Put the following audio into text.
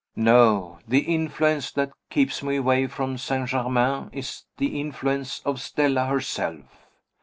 No! the influence that keeps me away from St. Germain is the influence of Stella herself.